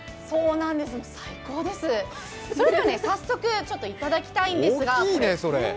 それでは、早速いただきたいんですが。